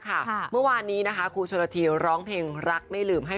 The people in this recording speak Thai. ก่อนนี้นะคะคุณก็ติดลองเพลงรักไม่ลืม